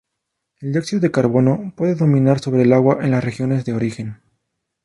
El dióxido de carbono puede dominar sobre el agua en las regiones de origen.